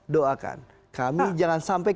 doakan kami jangan sampai